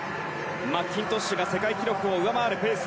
マッキントッシュが世界記録を上回るペース。